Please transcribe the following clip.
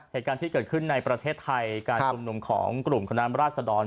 เหตุการณ์ที่เกิดขึ้นในประเทศไทยการชุมนุมของกลุ่มคณะราชดร